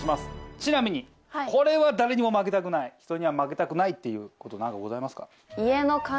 ちなみにこれは誰にも負けたくない人には負けたくないってことなんかございますか？